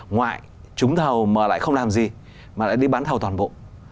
ngoại trúng thầu mà lại không làm gì mà lại đi bán thầu toàn bộ